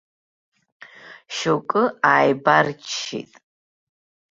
Шьоукы ааибарччеит.